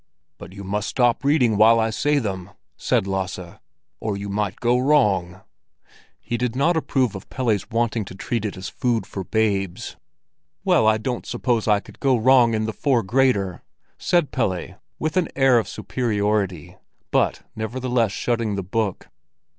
"But you must stop reading while I say them," said Lasse, "or you might go wrong." He did not approve of Pelle's wanting to treat it as food for babes. "Well, I don't suppose I could go wrong in the four greater!" said Pelle, with an air of superiority, but nevertheless shutting the book.